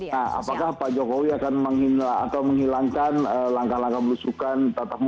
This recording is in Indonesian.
nah apakah pak jokowi akan menghilangkan langkah langkah belusukan